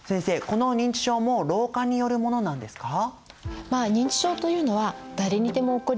この認知症も老化によるものなんですか？